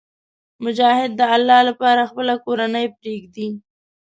مجاهد د الله لپاره خپله کورنۍ پرېږدي.